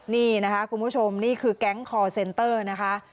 นี่นะคะคุณผู้ชมนี่คือแก๊งคอร์เซนเตอร์นะคะ